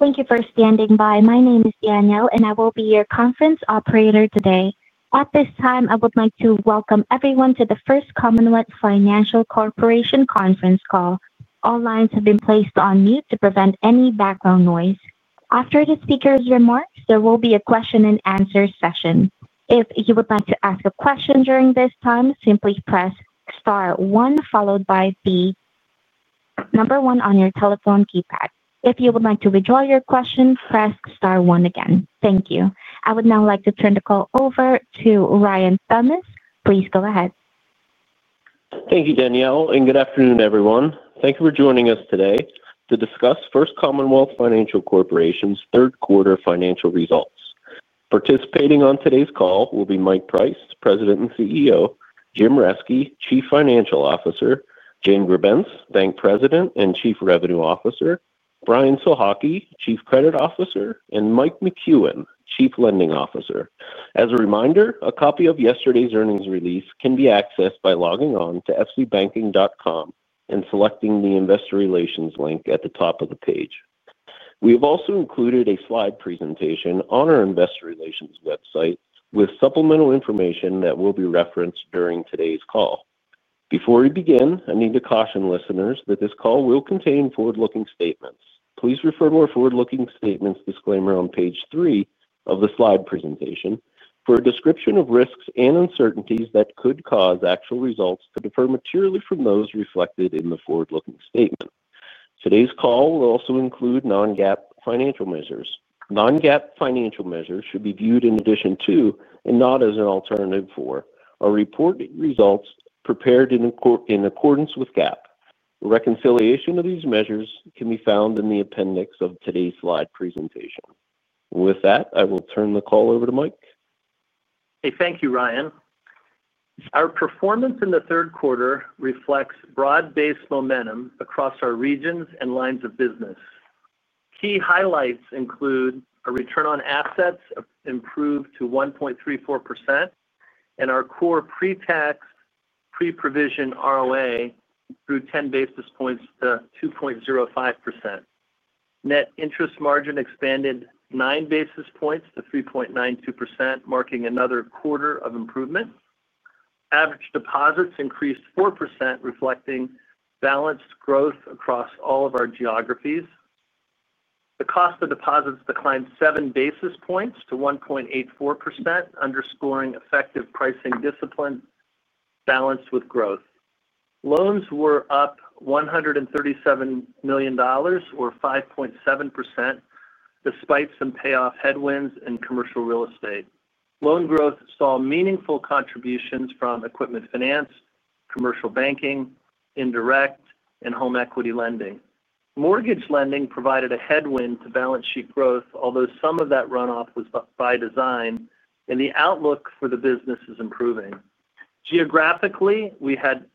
Thank you for standing by. My name is Danielle, and I will be your conference operator today. At this time, I would like to welcome everyone to the First Commonwealth Financial Corporation conference call. All lines have been placed on mute to prevent any background noise. After the speaker's remarks, there will be a question-and-answer session. If you would like to ask a question during this time, simply press star one, followed by the number one on your telephone keypad. If you would like to withdraw your question, press star one again. Thank you. I would now like to turn the call over to Ryan Thomas. Please go ahead. Thank you, Danielle, and good afternoon, everyone. Thank you for joining us today to discuss First Commonwealth Financial Corporation's third quarter financial results. Participating on today's call will be Mike Price, President and CEO, Jim Reske, Chief Financial Officer, Jane Grebenc, Bank President and Chief Revenue Officer, Brian Sohocki, Chief Credit Officer, and Mike McCuen, Chief Lending Officer. As a reminder, a copy of yesterday's earnings release can be accessed by logging on to fcbanking.com and selecting the Investor Relations link at the top of the page. We have also included a slide presentation on our Investor Relations website with supplemental information that will be referenced during today's call. Before we begin, I need to caution listeners that this call will contain forward-looking statements. Please refer to our forward-looking statements disclaimer on page three of the slide presentation for a description of risks and uncertainties that could cause actual results to differ materially from those reflected in the forward-looking statement. Today's call will also include non-GAAP financial measures. Non-GAAP financial measures should be viewed in addition to and not as an alternative for our report results are prepared in accordance with GAAP. Reconciliation of these measures can be found in the appendix of today's slide presentation. With that, I will turn the call over to Mike. Hey, thank you, Ryan. Our performance in the third quarter reflects broad-based momentum across our regions and lines of business. Key highlights include a return on assets improved to 1.34% and our core pre-tax, pre-provision ROA grew 10 basis points to 2.05%. Net interest margin expanded 9 basis points to 3.92%, marking another quarter of improvement. Average deposits increased 4%, reflecting balanced growth across all of our geographies. The cost of deposits declined 7 basis points to 1.84%, underscoring effective pricing discipline balanced with growth. Loans were up $137 million or 5.7%, despite some payoff headwinds in commercial real estate. Loan growth saw meaningful contributions from equipment finance, commercial banking, indirect, and home equity lending. Mortgage lending provided a headwind to balance sheet growth, although some of that runoff was by design, and the outlook for the business is improving. Geographically, we had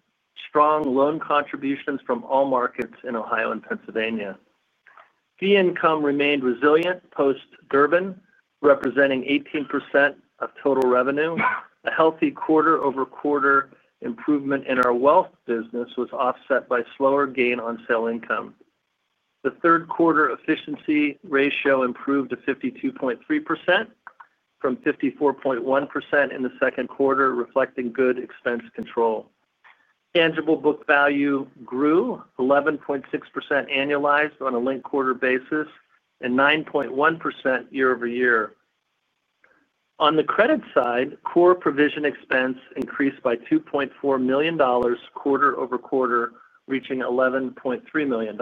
strong loan contributions from all markets in Ohio and Pennsylvania. Fee income remained resilient post-Durbin, representing 18% of total revenue. A healthy quarter-over-quarter improvement in our wealth business was offset by slower gain on sale income. The third quarter efficiency ratio improved to 52.3% from 54.1% in the second quarter, reflecting good expense control. Tangible book value grew 11.6% annualized on a linked quarter basis and 9.1% year-over-year. On the credit side, core provision expense increased by $2.4 million quarter-over-quarter, reaching $11.3 million.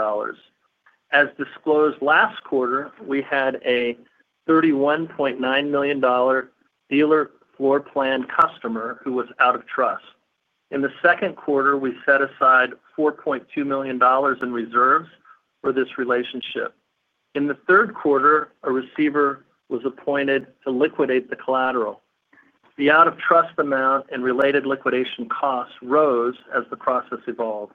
As disclosed last quarter, we had a $31.9 million dealer floor plan customer who was out of trust. In the second quarter, we set aside $4.2 million in reserves for this relationship. In the third quarter, a receiver was appointed to liquidate the collateral. The out-of-trust amount and related liquidation costs rose as the process evolved.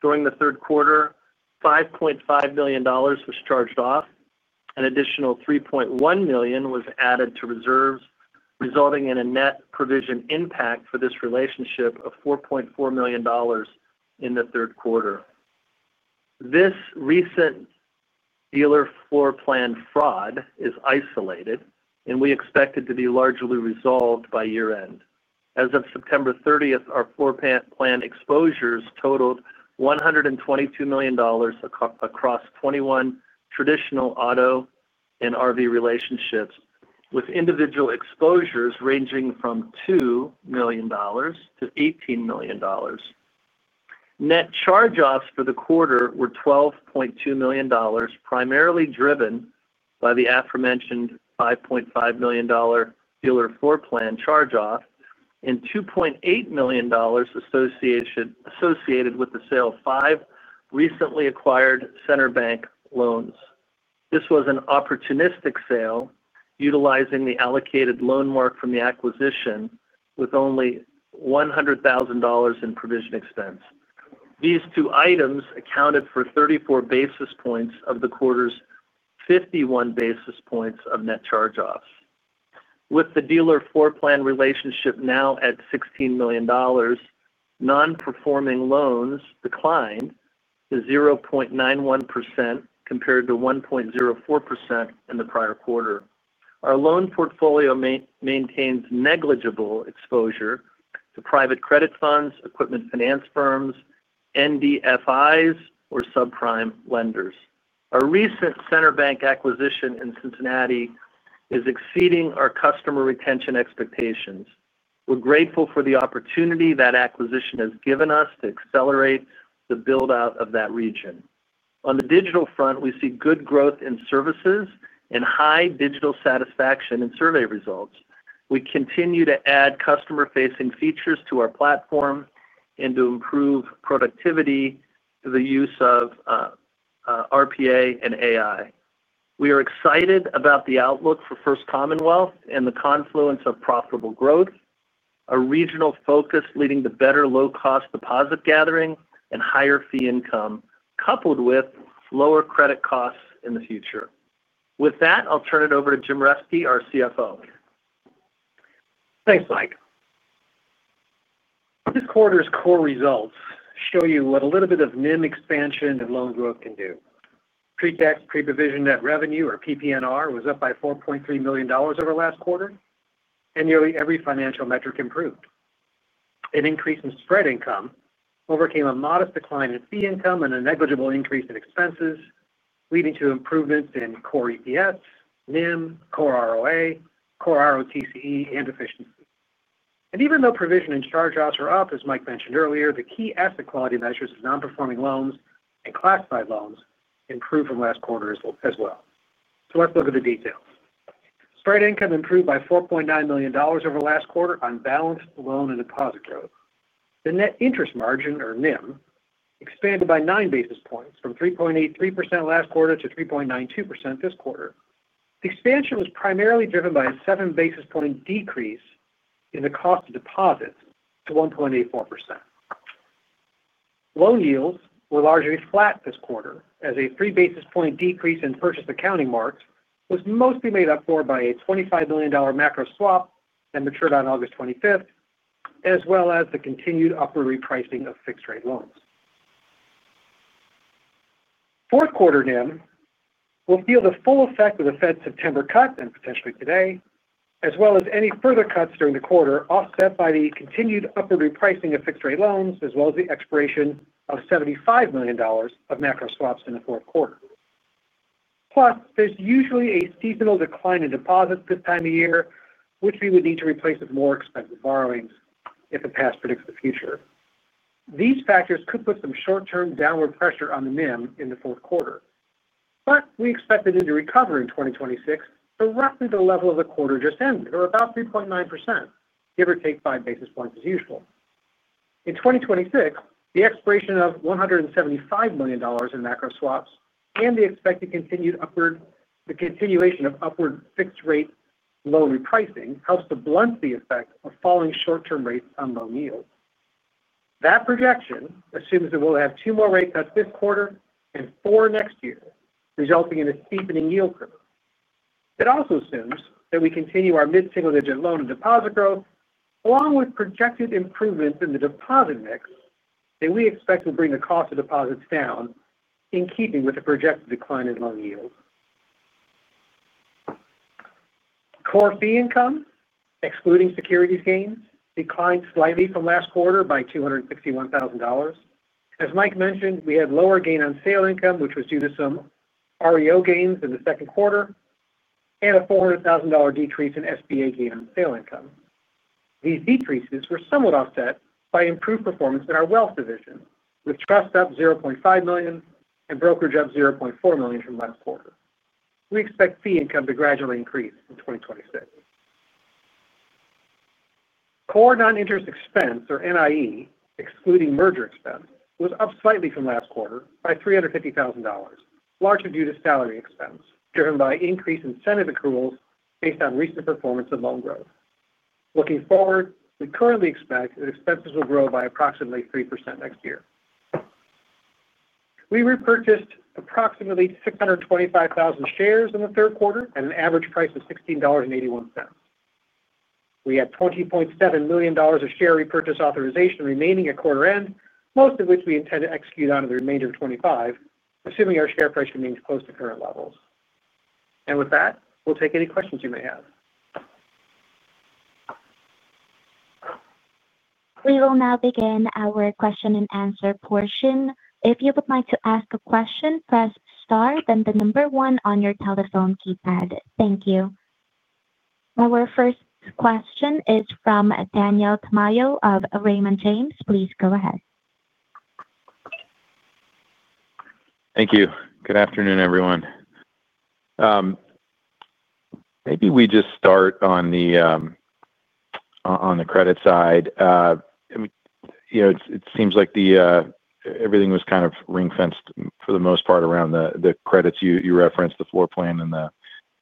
During the third quarter, $5.5 million was charged off. An additional $3.1 million was added to reserves, resulting in a net provision impact for this relationship of $4.4 million in the third quarter. This recent dealer floor plan fraud is isolated and we expect it to be largely resolved by year-end. As of September 30, our floor plan exposures totaled $122 million across 21 traditional auto and RV relationships, with individual exposures ranging from $2 million to $18 million. Net charge-offs for the quarter were $12.2 million, primarily driven by the aforementioned $5.5 million dealer floor plan charge-off and $2.8 million associated with the sale of five recently acquired CenterBank loans. This was an opportunistic sale utilizing the allocated loan mark from the acquisition with only $100,000 in provision expense. These two items accounted for 34 basis points of the quarter's 51 basis points of net charge-offs. With the dealer floor plan relationship now at $16 million, non-performing loans declined to 0.91% compared to 1.04% in the prior quarter. Our loan portfolio maintains negligible exposure to private credit funds, equipment finance firms, NDFIs, or subprime lenders. Our recent CenterBank acquisition in Cincinnati is exceeding our customer retention expectations. We're grateful for the opportunity that acquisition has given us to accelerate the build-out of that region. On the digital front, we see good growth in services and high digital satisfaction in survey results. We continue to add customer-facing features to our platform and to improve productivity through the use of RPA and AI. We are excited about the outlook for First Commonwealth and the confluence of profitable growth, a regional focus leading to better low-cost deposit gathering and higher fee income, coupled with lower credit costs in the future. With that, I'll turn it over to Jim Reske, our CFO. Thanks, Mike. This quarter's core results show you what a little bit of NIM expansion and loan growth can do. Pre-tax, pre-provision net revenue, or PPNR, was up by $4.3 million over last quarter, and nearly every financial metric improved. An increase in spread income overcame a modest decline in fee income and a negligible increase in expenses, leading to improvements in core EPS, NIM, core ROA, core ROTCE, and efficiency. Even though provision and charge-offs are up, as Mike mentioned earlier, the key asset quality measures of non-performing loans and classified loans improved from last quarter as well. Let's look at the details. Spread income improved by $4.9 million over last quarter on balance, loan, and deposit growth. The net interest margin, or NIM, expanded by 9 basis points from 3.83% last quarter to 3.92% this quarter. The expansion was primarily driven by a 7 basis point decrease in the cost of deposits to 1.84%. Loan yields were largely flat this quarter, as a 3 basis point decrease in purchase accounting marks was mostly made up for by a $25 million macro swap that matured on August 25th, as well as the continued upward repricing of fixed-rate loans. Fourth quarter NIM will feel the full effect of the Fed's September cut and potentially today, as well as any further cuts during the quarter offset by the continued upward repricing of fixed-rate loans, as well as the expiration of $75 million of macro swaps in the fourth quarter. Plus, there's usually a seasonal decline in deposits this time of year, which we would need to replace with more expensive borrowings if the past predicts the future. These factors could put some short-term downward pressure on the NIM in the fourth quarter. We expect it to recover in 2026 to roughly the level of the quarter just ended, or about 3.9%, give or take 5 basis points as usual. In 2026, the expiration of $175 million in macro swaps and the expected continuation of upward fixed-rate loan repricing helps to blunt the effect of falling short-term rates on loan yield. That projection assumes that we'll have two more rate cuts this quarter and four next year, resulting in a steepening yield curve. It also assumes that we continue our mid-single-digit loan and deposit growth, along with projected improvements in the deposit mix that we expect will bring the cost of deposits down, in keeping with the projected decline in loan yields. Core fee income, excluding securities gains, declined slightly from last quarter by $261,000. As Mike mentioned, we had lower gain on sale income, which was due to some REO gains in the second quarter, and a $400,000 decrease in SBA gain on sale income. These decreases were somewhat offset by improved performance in our wealth management division, with trusts up $0.5 million and brokerage up $0.4 million from last quarter. We expect fee income to gradually increase in 2026. Core non-interest expense, or NIE, excluding merger expense, was up slightly from last quarter by $350,000, largely due to salary expense driven by increased incentive accruals based on recent performance of loan growth. Looking forward, we currently expect that expenses will grow by approximately 3% next year. We repurchased approximately 625,000 shares in the third quarter at an average price of $16.81. We had $20.7 million of share repurchase authorization remaining at quarter-end, most of which we intend to execute on in the remainder of 2025, assuming our share price remains close to current levels. With that, we'll take any questions you may have. We will now begin our question and answer portion. If you would like to ask a question, press star then the number one on your telephone keypad. Thank you. Our first question is from Daniel Tamayo of Raymond James. Please go ahead. Thank you. Good afternoon, everyone. Maybe we just start on the credit side. It seems like everything was kind of ring-fenced for the most part around the credits you referenced, the floor plan and the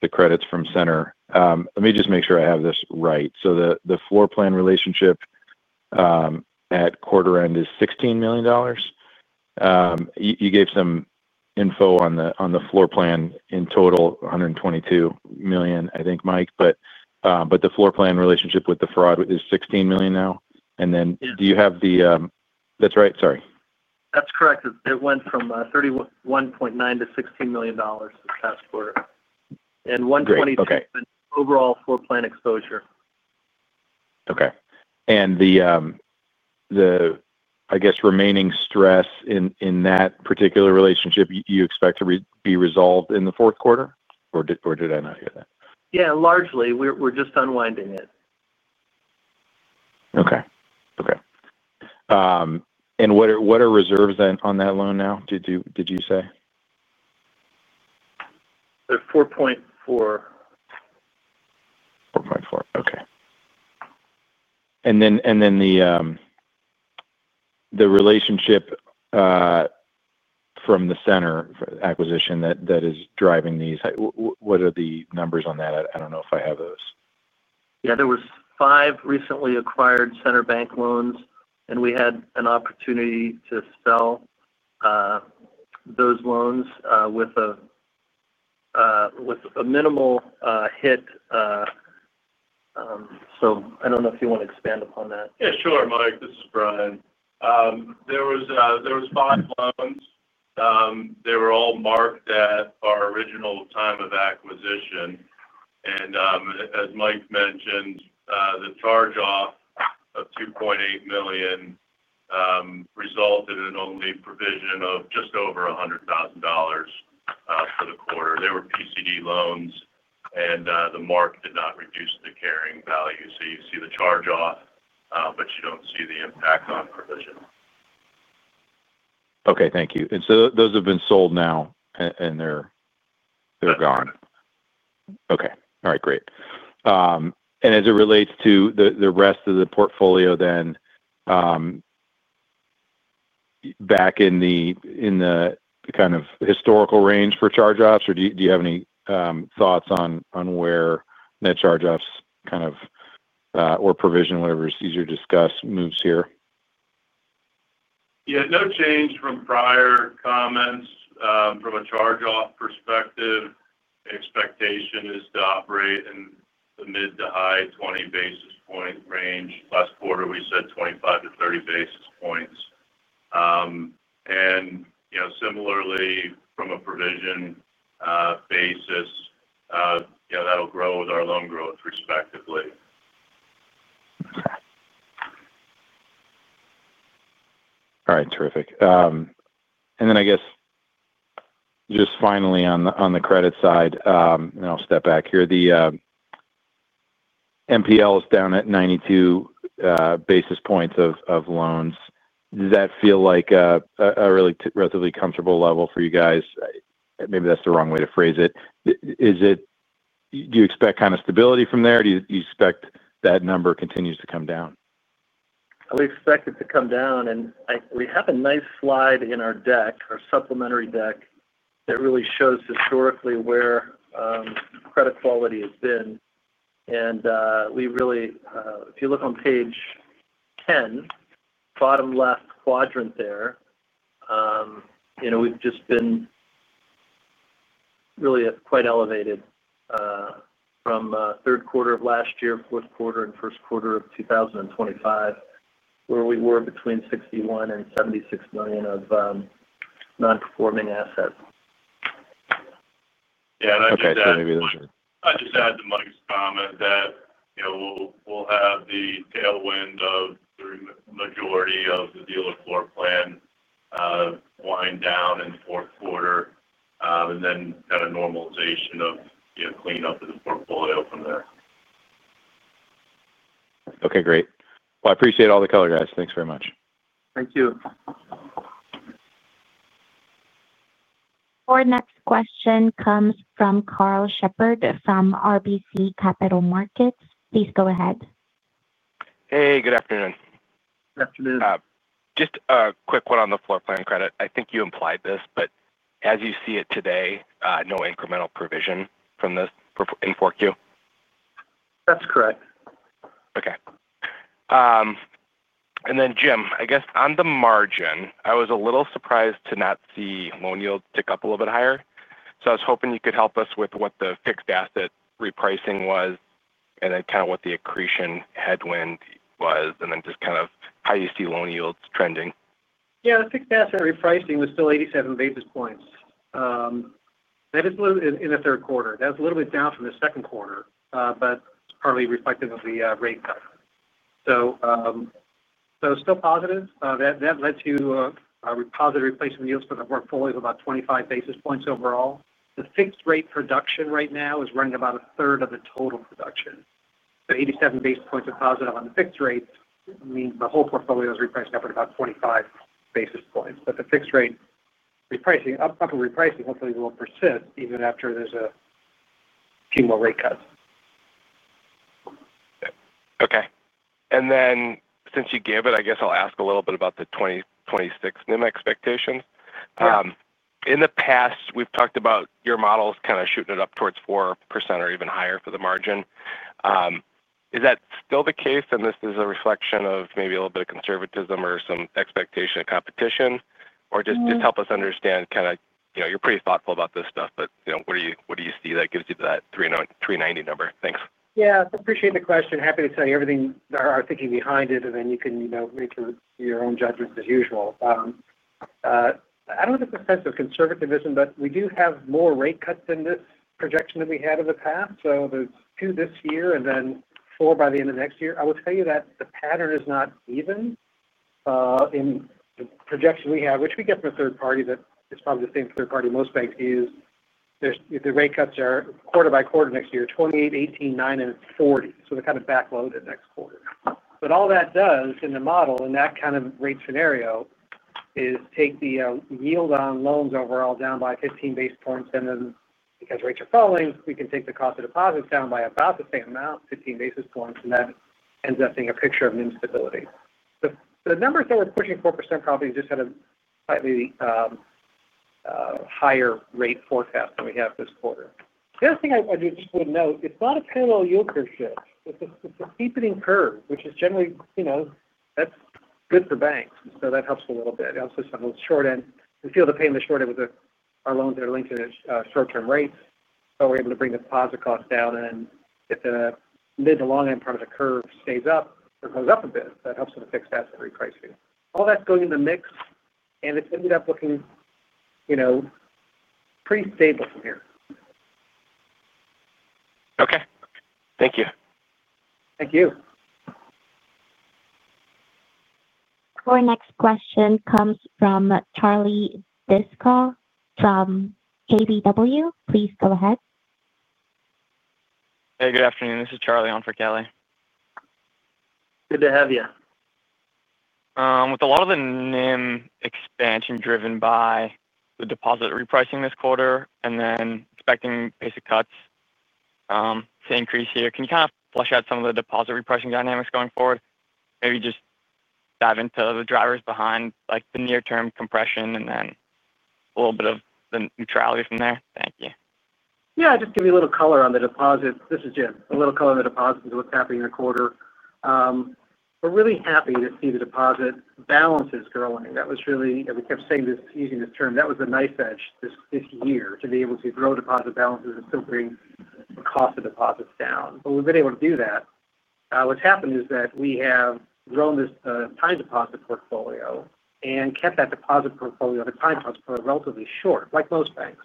credits from Center. Let me just make sure I have this right. The floor plan relationship at quarter-end is $16 million? You gave some info on the floor plan in total, $122 million, I think, Mike. The floor plan relationship with the fraud is $16 million now? Do you have the, that's right? Sorry. That's correct. It went from $31.9 million to $16 million this past quarter, and $122 million overall floor plan exposure. Okay. The remaining stress in that particular relationship, you expect to be resolved in the fourth quarter? Did I not hear that? Yeah, largely we're just unwinding it. Okay. What are reserves on that loan now, did you say? They're 4.4. Okay. The relationship from the Center acquisition that is driving these, what are the numbers on that? I don't know if I have those. Yeah, there were five recently acquired CenterBank loans. We had an opportunity to sell those loans with a minimal hit. I don't know if you want to expand upon that. Yeah, sure, Mike. This is Brian. There were five loans. They were all marked at our original time of acquisition. As Mike mentioned, the charge-off of $2.8 million resulted in only a provision of just over $100,000 for the quarter. They were PCD loans, and the mark did not reduce the carrying value. You see the charge-off, but you don't see the impact on provision. Okay. Thank you. Those have been sold now, and they're gone? Correct. All right. Great. As it relates to the rest of the portfolio, back in the kind of historical range for charge-offs, or do you have any thoughts on where net charge-offs or provision, whatever is easier to discuss, moves here? Yeah, no change from prior comments. From a charge-off perspective, the expectation is to operate in the mid to high 20 basis points range. Last quarter, we said 25 basis points-30 basis points. Similarly, from a provision basis, that'll grow with our loan growth, respectively. All right. Terrific. Finally, on the credit side, I'll step back here. The NPL is down at 92 basis points of loans. Does that feel like a relatively comfortable level for you guys? Maybe that's the wrong way to phrase it. Do you expect kind of stability from there? Do you expect that number continues to come down? We expect it to come down. We have a nice slide in our deck, our supplementary deck, that really shows historically where credit quality has been. If you look on page 10, bottom left quadrant there, you know we've just been really quite elevated from third quarter of last year, fourth quarter, and first quarter of 2025, where we were between $61 million and $76 million of non-performing assets. Yeah, I just added. I guess maybe those are. I just add to Mike's comment that you know we'll have the tailwind of the majority of the dealer floor plan wind down in the fourth quarter, and then kind of normalization of cleanup of the portfolio from there. Okay. Great. I appreciate all the color, guys. Thanks very much. Thank you. Our next question comes from Karl Shepard from RBC Capital Markets. Please go ahead. Hey, good afternoon. Good afternoon. Just a quick one on the floor plan credit. I think you implied this, but as you see it today, no incremental provision from this in 4Q? That's correct. Okay. Jim, I guess on the margin, I was a little surprised to not see loan yields tick up a little bit higher. I was hoping you could help us with what the fixed asset repricing was, what the accretion headwind was, and how you see loan yields trending. Yeah, the fixed asset repricing was still 87 basis points. That is a little in the third quarter. That was a little bit down from the second quarter, but it's partly reflective of the rate cut. Still positive. That led to a positive replacement yields for the portfolio of about 25 basis points overall. The fixed-rate production right now is running about a third of the total production. 87 basis points of positive on the fixed rate means the whole portfolio is repricing upward about 25 basis points. The fixed rate repricing, upward repricing, hopefully will persist even after there's a few more rate cuts. Okay. Since you gave it, I guess I'll ask a little bit about the 2026 NIM expectations. Yeah. In the past, we've talked about your models kind of shooting it up towards 4% or even higher for the margin. Is that still the case? Is this a reflection of maybe a little bit of conservatism or some expectation of competition? Just help us understand, you're pretty thoughtful about this stuff, but what do you see that gives you that 3.90% number? Thanks. Yeah, I appreciate the question. Happy to tell you everything or our thinking behind it, and then you can make your own judgments as usual. I don't know if it's a sense of conservatism, but we do have more rate cuts in this projection than we had in the past. There are two this year and then four by the end of next year. I would tell you that the pattern is not even. In the projection we have, which we get from a third party that is probably the same third party most banks use, the rate cuts are quarter by quarter next year, 28, 18, 9, and 40. They are kind of backloaded next quarter. All that does in the model in that kind of rate scenario is take the yield on loans overall down by 15 basis points. Because rates are falling, we can take the cost of deposits down by about the same amount, 15 basis points. That ends up being a picture of NIM stability. The numbers that are pushing 4% probably just had a slightly higher rate forecast than we have this quarter. The other thing I just would note, it's not a parallel yield curve shift. It's a steepening curve, which is generally, you know, that's good for banks. That helps a little bit. It helps us on the short end. We feel the pain in the short end with our loans that are linked to short-term rates. We're able to bring the deposit cost down. If the mid to long-end part of the curve stays up or goes up a bit, that helps with the fixed asset repricing. All that's going in the mix, and it's ended up looking, you know, pretty stable from here. Okay, thank you. Thank you. Our next question comes from Charlie Driscoll from KBW. Please go ahead. Hey, good afternoon. This is Charlie on for Kelly. Good to have you. With a lot of the NIM expansion driven by the deposit repricing this quarter and then expecting basic cuts to increase here, can you kind of flesh out some of the deposit repricing dynamics going forward? Maybe just dive into the drivers behind like the near-term compression and then a little bit of the neutrality from there. Thank you. Yeah, I'll just give you a little color on the deposit. This is Jim. A little color on the deposit is what's happening in the quarter. We're really happy to see the deposit balances growing. That was really, we kept saying this, using this term, that was the knife edge this year to be able to grow deposit balances and still bring the cost of deposits down. We've been able to do that. What's happened is that we have grown this time deposit portfolio and kept that deposit portfolio, the time deposit portfolio, relatively short, like most banks.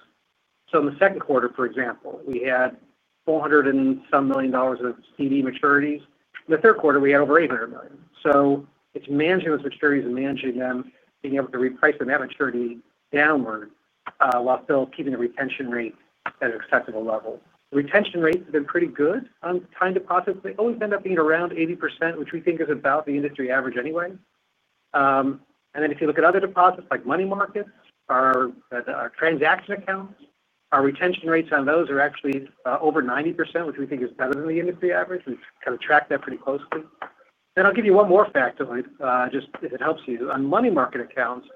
In the second quarter, for example, we had $400 and some million of CD maturities. In the third quarter, we had over $800 million. It's managing those maturities and managing them, being able to reprice them at maturity downward while still keeping the retention rate at an acceptable level. The retention rates have been pretty good on time deposits. They always end up being around 80%, which we think is about the industry average anyway. If you look at other deposits like money markets or transaction accounts, our retention rates on those are actually over 90%, which we think is better than the industry average. We've kind of tracked that pretty closely. I'll give you one more fact, just if it helps you. On money market accounts,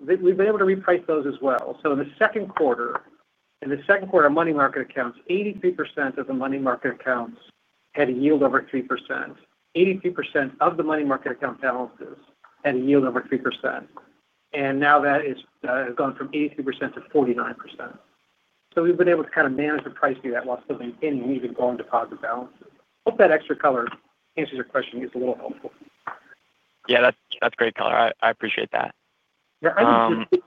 we've been able to reprice those as well. In the second quarter, on money market accounts, 83% of the money market accounts had a yield over 3%. 83% of the money market account balances had a yield over 3%. Now that has gone from 83% to 49%. We've been able to kind of manage the pricing of that while still maintaining and even growing deposit balances. Hope that extra color answers your question. It's a little helpful. Yeah, that's great color. I appreciate that. Yeah, I would just.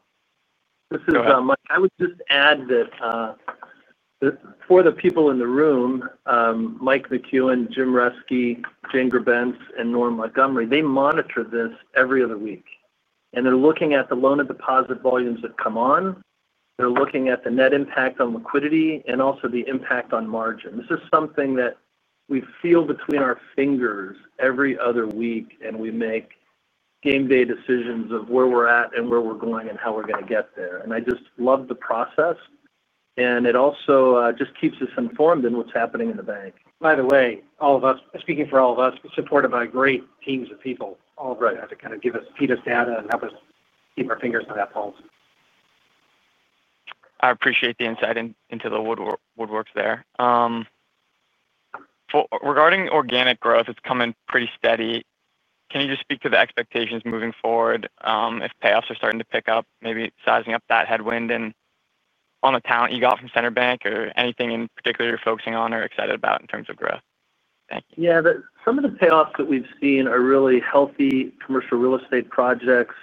This is Mike. I would just add that for the people in the room, Mike McCuen, Jim Reske, Jane Grebenc, and Norm Montgomery, they monitor this every other week. They're looking at the loan and deposit volumes that come on. They're looking at the net impact on liquidity and also the impact on margin. This is something that we feel between our fingers every other week, and we make game-day decisions of where we're at, where we're going, and how we're going to get there. I just love the process. It also just keeps us informed in what's happening in the bank. By the way, all of us, speaking for all of us, we're supported by great teams of people, all of us, to kind of give us, feed us data, and help us keep our fingers on that pulse. I appreciate the insight into the woodworks there. Regarding organic growth, it's coming pretty steady. Can you just speak to the expectations moving forward if payoffs are starting to pick up, maybe sizing up that headwind, and on the talent you got from CenterBank or anything in particular you're focusing on or excited about in terms of growth? Thank you. Yeah, some of the payoffs that we've seen are really healthy commercial real estate projects,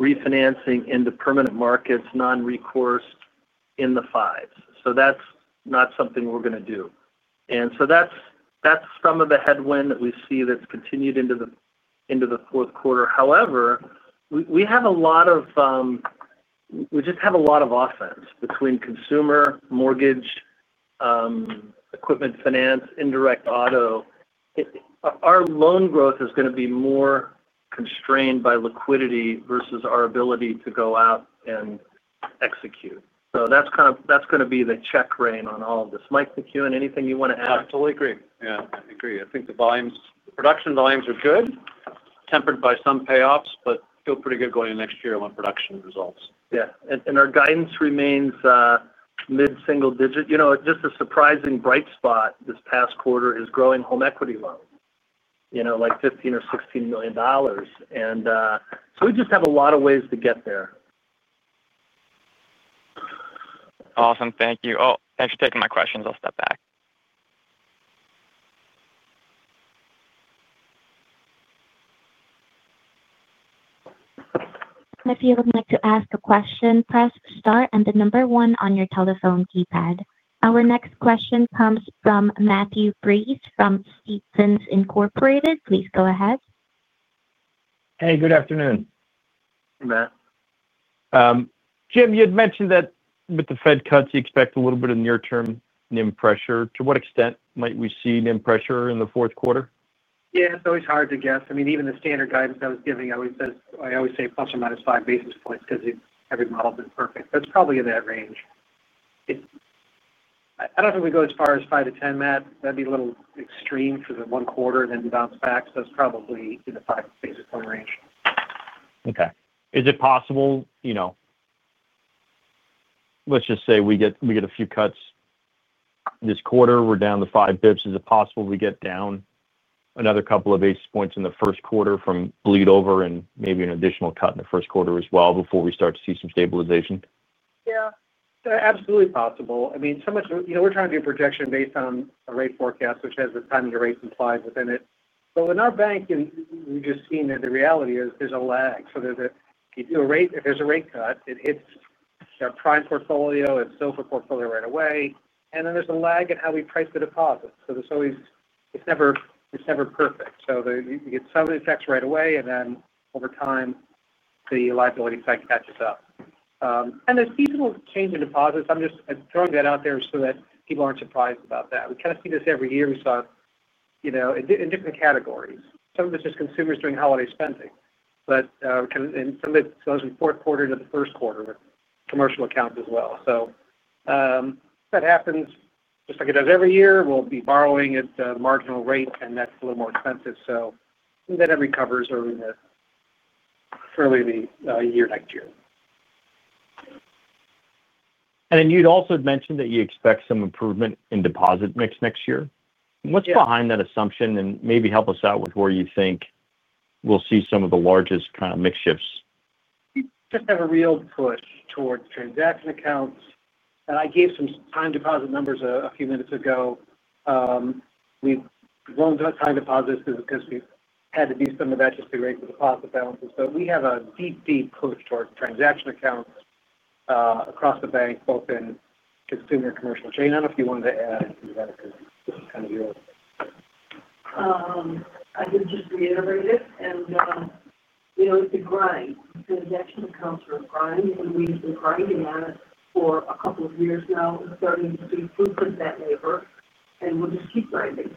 refinancing into permanent markets, non-recourse in the fives. That's not something we're going to do. That's some of the headwind that we see that's continued into the fourth quarter. However, we have a lot of offense between consumer, mortgage, equipment finance, indirect auto. Our loan growth is going to be more constrained by liquidity versus our ability to go out and execute. That's kind of going to be the check rein on all of this. Mike McCuen, anything you want to add? I totally agree. I agree. I think the volumes, production volumes are good, tempered by some payoffs, but feel pretty good going into next year on production results. Our guidance remains mid-single-digit. A surprising bright spot this past quarter is growing home equity loans, like $15 million or $16 million. We just have a lot of ways to get there. Awesome. Thank you. Thanks for taking my questions. I'll step back. If you would like to ask a question, press star and the number one on your telephone keypad. Our next question comes from Matthew Breese from Stephens Inc. Please go ahead. Hey, good afternoon. Hey, Matt. Jim, you had mentioned that with the Fed cuts, you expect a little bit of near-term NIM pressure. To what extent might we see NIM pressure in the fourth quarter? Yeah, it's always hard to guess. I mean, even the standard guidance I was giving, I always say ±5 basis points because every model is imperfect. That's probably in that range. I don't think we go as far as 5 basis points-10 basis points, Matt. That'd be a little extreme for the one quarter and then bounce back. It's probably in the 5 basis point range. Okay. Is it possible, you know, let's just say we get a few cuts this quarter, we're down to 5 bps. Is it possible we get down another couple of basis points in the first quarter from bleed over and maybe an additional cut in the first quarter as well before we start to see some stabilization? Yeah. They're absolutely possible. I mean, so much, you know, we're trying to do a projection based on a rate forecast, which has the time to rate supplies within it. In our bank, we've just seen that the reality is there's a lag. If you do a rate, if there's a rate cut, it hits our prime portfolio and SOFR portfolio right away, and then there's a lag in how we price the deposit. There's always, it's never, it's never perfect. You get some of the effects right away, and then over time, the liability side catches up. There's seasonal change in deposits. I'm just throwing that out there so that people aren't surprised about that. We kind of see this every year. We saw it, you know, in different categories. Some of this is consumers doing holiday spending. We kind of, and some of it goes from the fourth quarter to the first quarter with commercial accounts as well. If that happens, just like it does every year, we'll be borrowing at the marginal rate, and that's a little more expensive. That recovers over the early of the year next year. You'd also mentioned that you expect some improvement in deposit mix next year. What's behind that assumption, and maybe help us out with where you think we'll see some of the largest kind of mix shifts? We just have a real push towards transaction accounts. I gave some time deposit numbers a few minutes ago. We've grown the time deposits because we've had to do some of that just to raise the deposit balances. We have a deep, deep push towards transaction accounts across the bank, both in consumer and commercial chain. I don't know if you wanted to add to that because this is kind of your. I can just reiterate it. You know, it's a grind. Transaction accounts are a grind, and we've been grinding at it for a couple of years now and starting to do improvements that labor. We'll just keep grinding.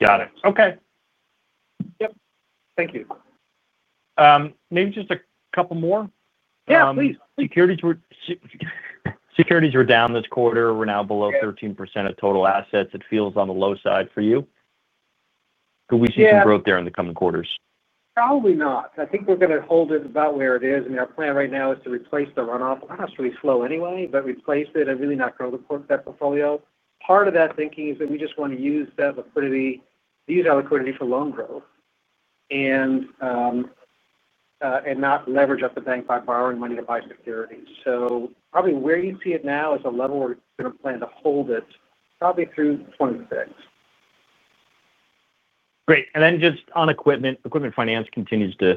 Got it. Okay. Yep, thank you. Maybe just a couple more. Yeah, please. Securities were down this quarter. We're now below 13% of total assets. It feels on the low side for you. Could we see some growth there in the coming quarters? Probably not. I think we're going to hold it about where it is. I mean, our plan right now is to replace the runoff. Runoff is really slow anyway, but replace it and really not grow that portfolio. Part of that thinking is that we just want to use that liquidity, use our liquidity for loan growth and not leverage up the bank by borrowing money to buy securities. Probably where you see it now is a level where we're going to plan to hold it probably through 2026. Great. Just on equipment finance, it continues to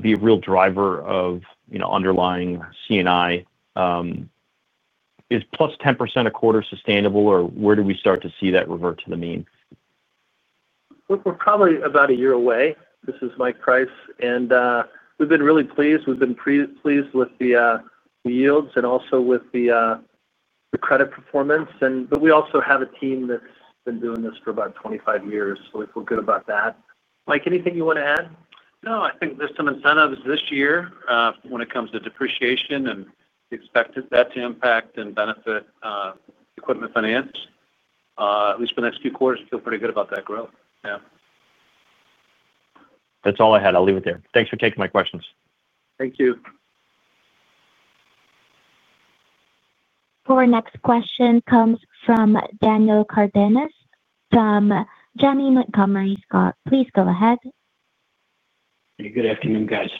be a real driver of underlying CNI. Is plus 10% a quarter sustainable, or where do we start to see that revert to the mean? We're probably about a year away. This is Mike Price. We've been really pleased. We've been pleased with the yields and also with the credit performance. We also have a team that's been doing this for about 25 years. We feel good about that. Mike, anything you want to add? No, I think there's some incentives this year when it comes to depreciation, and expect that to impact and benefit equipment finance. At least for the next few quarters, we feel pretty good about that growth. Yeah. That's all I had. I'll leave it there. Thanks for taking my questions. Thank you. Our next question comes from Danielle Cardenas from Janney Montgomery Scott. Please go ahead. Hey, good afternoon, guys.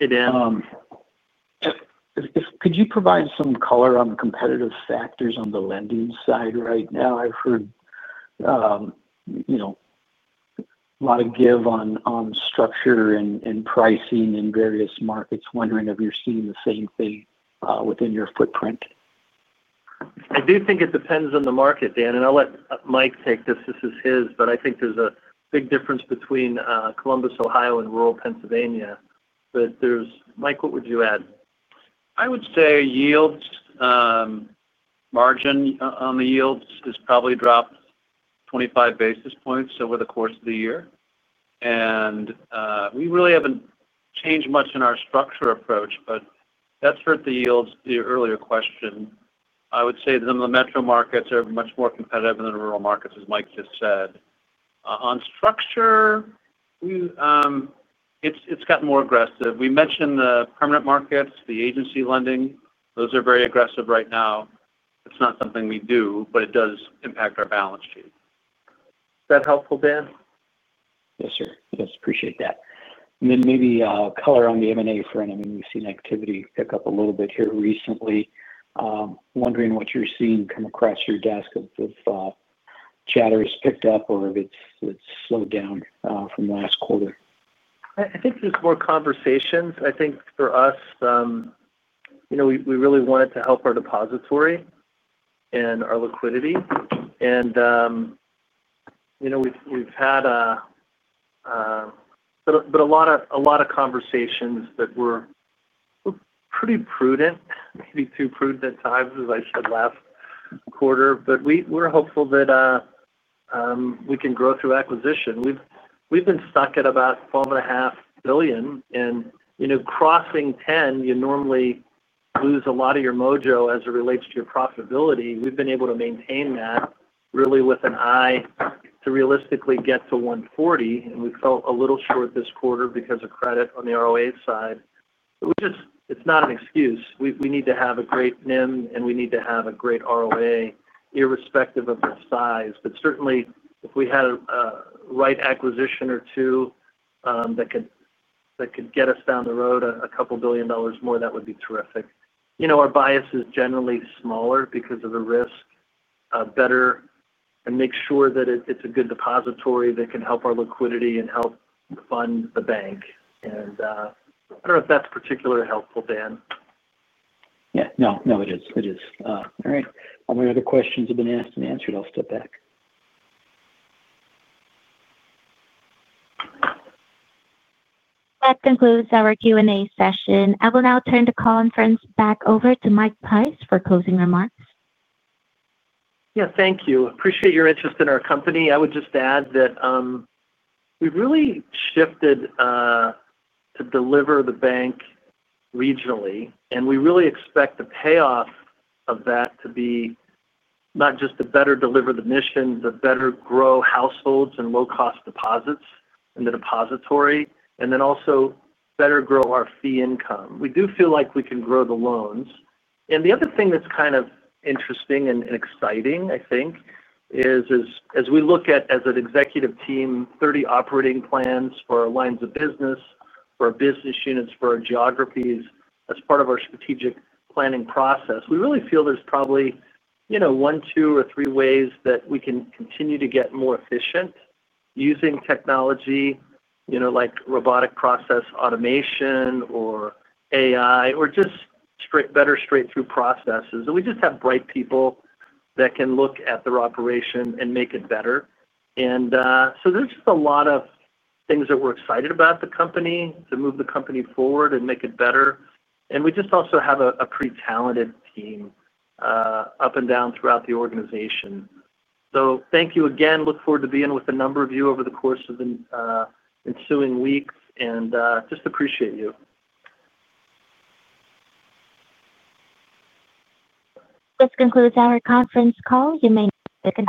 Hey, Danielle. Could you provide some color on the competitive factors on the lending side right now? I've heard a lot of give on structure and pricing in various markets, wondering if you're seeing the same thing within your footprint. I do think it depends on the market, Dan. I'll let Mike take this. This is his. I think there's a big difference between Columbus, Ohio, and rural Pennsylvania. Mike, what would you add? I would say yields, margin on the yields has probably dropped 25 basis points over the course of the year. We really haven't changed much in our structure approach, but that's hurt the yields, your earlier question. I would say some of the metro markets are much more competitive than the rural markets, as Mike just said. On structure, it's gotten more aggressive. We mentioned the permanent markets, the agency lending. Those are very aggressive right now. It's not something we do, but it does impact our balance sheet. Is that helpful, Dan? Yes, sir. Yes, appreciate that. Maybe a color on the M&A front. I mean, we've seen activity pick up a little bit here recently. Wondering what you're seeing come across your desk if chatter's picked up or if it's slowed down from the last quarter. I think there's more conversations. I think for us, you know, we really wanted to help our depository and our liquidity. We've had a lot of conversations that were pretty prudent, maybe too prudent at times, as I said last quarter. We're hopeful that we can grow through acquisition. We've been stuck at about $12.5 billion. Crossing $10 billion, you normally lose a lot of your mojo as it relates to your profitability. We've been able to maintain that really with an eye to realistically get to $14.0 billion. We fell a little short this quarter because of credit on the ROA side. It's not an excuse. We need to have a great NIM, and we need to have a great ROA, irrespective of the size. Certainly, if we had a right acquisition or two that could get us down the road a couple billion dollars more, that would be terrific. Our bias is generally smaller because of the risk, better, and make sure that it's a good depository that can help our liquidity and help fund the bank. I don't know if that's particularly helpful, Dan. Yeah, it is. All my other questions have been asked and answered. I'll step back. That concludes our Q&A session. I will now turn the conference back over to Mike Price for closing remarks. Yeah, thank you. Appreciate your interest in our company. I would just add that we've really shifted to deliver the bank regionally. We really expect the payoff of that to be not just to better deliver the mission, but better grow households and low-cost deposits in the depository, and also better grow our fee income. We do feel like we can grow the loans. The other thing that's kind of interesting and exciting, I think, is as we look at, as an executive team, 30 operating plans for our lines of business, for our business units, for our geographies, as part of our strategic planning process, we really feel there's probably, you know, one, two, or three ways that we can continue to get more efficient using technology, like RPA or AI or just better straight-through processes. We just have bright people that can look at their operation and make it better. There's just a lot of things that we're excited about the company to move the company forward and make it better. We also have a pretty talented team, up and down throughout the organization. Thank you again. Look forward to being with a number of you over the course of the ensuing weeks, and just appreciate you. This concludes our conference call. You may now disconnect.